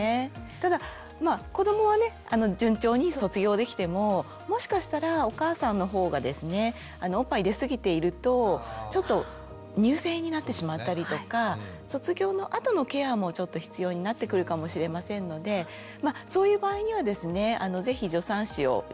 ただ子どもはね順調に卒業できてももしかしたらお母さんのほうがですねおっぱい出過ぎているとちょっと乳腺炎になってしまったりとか卒業のあとのケアもちょっと必要になってくるかもしれませんのでそういう場合にはですね是非助産師を利用してもらうといいと思います。